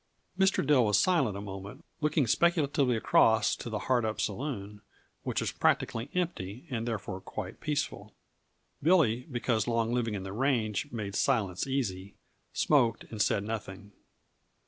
Mr. Dill was silent a minute, looking speculatively across to the Hardup Saloon which was practically empty and therefore quite peaceful. Billy, because long living on the range made silence easy, smoked and said nothing.